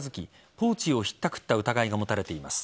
ポーチをひったくった疑いが持たれています。